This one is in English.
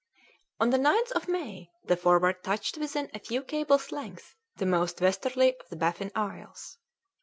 On the 9th of May the Forward touched within a few cables' length the most westerly of the Baffin Isles.